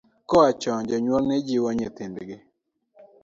Koa chon jonyuol ne jiwo nyithindgi .